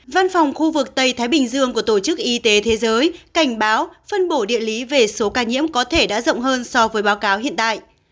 văn phòng khu vực tây thái bình dương của tổ chức y tế thế giới cảnh báo phân bổ địa lý về số ca nhiễm có thể đã rộng hơn so với báo cáo hiện tại